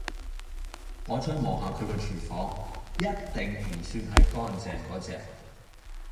我再望下佢個"廚房"一定唔算係乾淨果隻